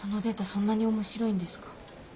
そんなに面白いんですか？